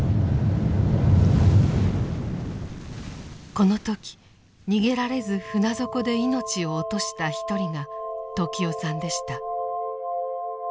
この時逃げられず船底で命を落とした一人が時雄さんでした。